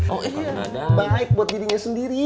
oh iya baik buat dirinya sendiri